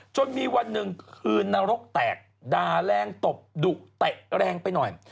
จนมีวันหนึ่งคืนนรกแตกด่าแรงตบดุเตะแรงไปหน่อย